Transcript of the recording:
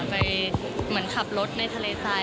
เหมือนขับรถในทะเลทราย